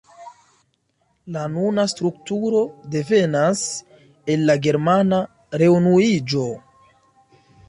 La nuna strukturo devenas el la germana reunuiĝo.